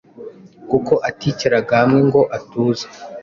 kuko aticaraga hamwe ngo atuze